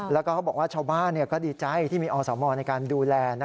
แล้วก็เขาบอกว่าชาวบ้านก็ดีใจที่มีอสมในการดูแล